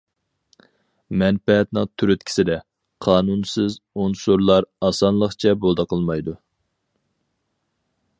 مەنپەئەتنىڭ تۈرتكىسىدە، قانۇنسىز ئۇنسۇرلار ئاسانلىقچە بولدى قىلمايدۇ.